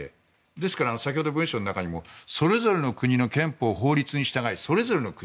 ですから、先ほど文章の中にもそれぞれの国の憲法、法律に従いそれぞれの国。